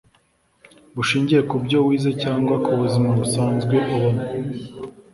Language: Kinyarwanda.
bushingiye kubyo wize cyangwa ku buzima busanzwe ubamo.